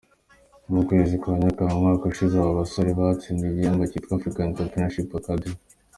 Mu kwezi kwa Nyakanga umwaka ushize aba basore batsindiye igihembo cyitwa African Entrepreurship Academy.